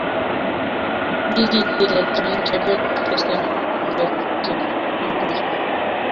Ndigitireton Chebet kesemberji imbar